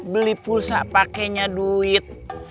beli pulsa pakenya duit